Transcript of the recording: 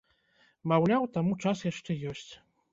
Маўляў, таму час яшчэ ёсць.